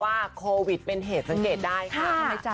ว่าโควิดเป็นเหตุสังเกตได้ค่ะทำไมจ๊ะ